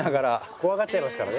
怖がっちゃいますからね。